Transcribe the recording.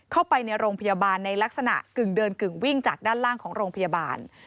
เข้าไปในโรงพยาบาลในลักษณะกึ่งเดินกึ่งวิ่งจากด้านล่างของโรงพยาบาล